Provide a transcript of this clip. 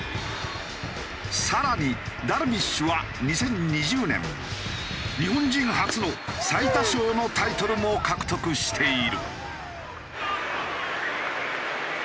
更にダルビッシュは２０２０年日本人初の最多勝のタイトルも獲得している。